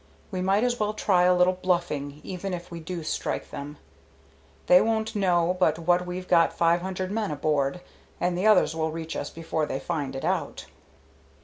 We might as well try a little bluffing even if we do strike them. They won't know but what we've got five hundred men aboard, and the others will reach us before they find it out."